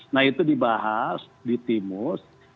nah itu dibahas di timus